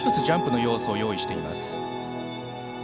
ジャンプの要素を用意しています。